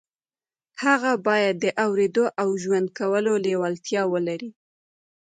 هغه بايد د اورېدو او ژوند کولو لېوالتیا ولري.